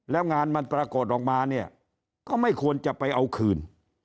แล้วงานมันปรากฏออกมาเนี่ยก็ไม่ควรจะไปเอาคืน